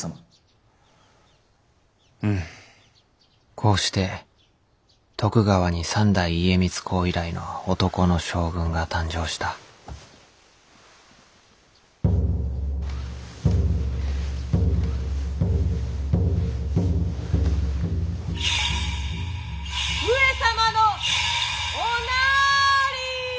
こうして徳川に三代家光公以来の男の将軍が誕生した上様のおなーりー。